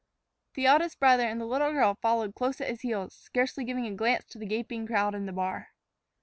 The eldest brother and the little girl followed close at his heels, scarcely giving a glance to the gaping crowd in the bar.